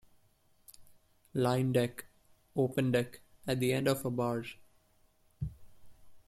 Line Deck- Open deck at the end of a barge.